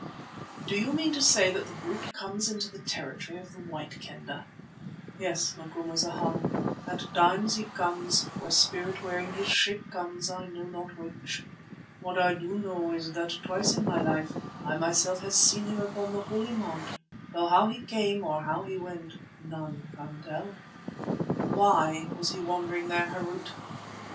"Do you mean to say that the brute comes into the territory of the White Kendah?" "Yes, Macumazana, at times he comes, or a spirit wearing his shape comes; I know not which. What I do know is that twice in my life I myself have seen him upon the Holy Mount, though how he came or how he went none can tell." "Why was he wandering there, Harût?"